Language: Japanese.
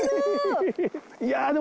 いやでも。